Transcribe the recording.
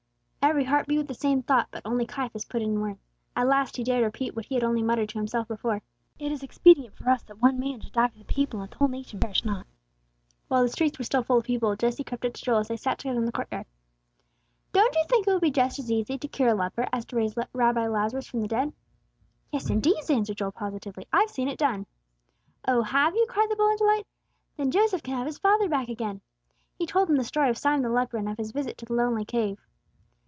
Every heart beat with the same thought, but only Caiaphas put it in words. At last he dared repeat what he had only muttered to himself before: "It is expedient for us that one man should die for the people, and that the whole nation perish not." While the streets were still full of people, Jesse crept up to Joel, as they sat together in the court yard. "Don't you think it would be just as easy to cure a leper as to raise Rabbi Lazarus from the dead?" "Yes, indeed!" answered Joel, positively, "I've seen it done." "Oh, have you?" cried the boy, in delight. "Then Joseph can have his father back again." He told him the story of Simon the leper, and of his visit to the lonely cave.